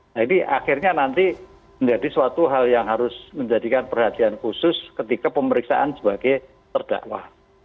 jadi akhirnya nanti menjadi suatu hal yang harus menjadikan perhatian khusus ketika pemeriksaan sebagai terdakwa